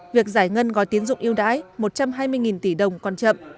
việc giải ngân gói tiến dụng yêu đái một trăm hai mươi tỷ đồng còn chậm